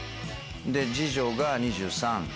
次女が２３。